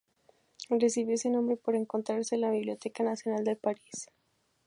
Recibió ese nombre por encontrarse en la Biblioteca Nacional de París.